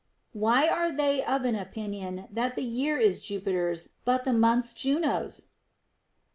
Why are they of an opinion that the year is Jupiter's, but the months Juno's